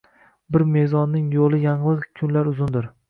Bir mezonning yo’li yanglig’ kunlar uzundir